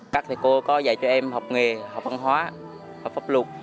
các thầy cô có dạy cho em học nghề học văn hóa học pháp luật